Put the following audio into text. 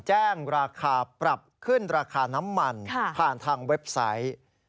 แจ้งราคาปรับขึ้นราคาน้ำมันผ่านทางเว็บไซต์